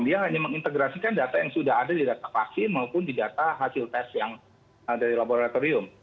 dia hanya mengintegrasikan data yang sudah ada di data vaksin maupun di data hasil tes yang dari laboratorium